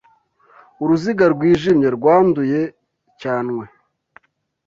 Uruziga rwijimye, rwanduye cyanw